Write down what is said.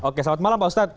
oke selamat malam pak ustaz